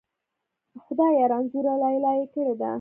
خدایه! رنځوره لیلا یې کړې ده.